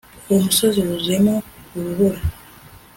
Uwo musozi wuzuyeho urubura